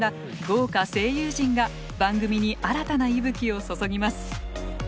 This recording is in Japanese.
豪華声優陣が番組に新たな息吹を注ぎます。